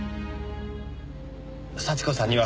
幸子さんには。